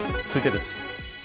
続いてです。